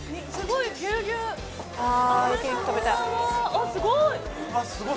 あっすごい。